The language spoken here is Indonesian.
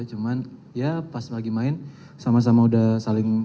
cuman ya pas lagi main sama sama udah saling